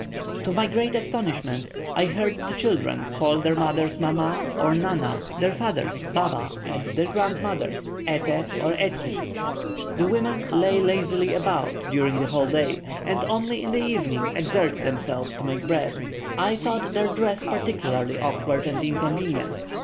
To my great astonishment, I heard the children call their mothers mama or nana, their fathers baba, and their grandmothers ete or eti. The women lie lazily about during the whole day, and only in the evening exert themselves to make bread. I thought their dress particularly awkward and inconvenient.